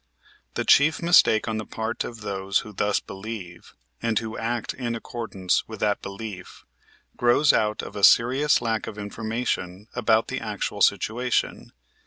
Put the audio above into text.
The chief mistake on the part of those who thus believe, and who act in accordance with that belief, grows out of a serious lack of information about the actual situation.